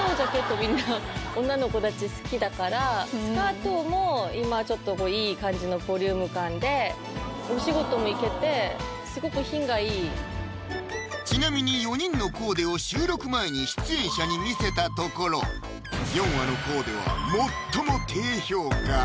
みんな女の子たち好きだからスカートも今ちょっといい感じのボリューム感でお仕事も行けてスゴく品がいいちなみに４人のコーデを収録前に出演者に見せたところヨンアのコーデは最も低評価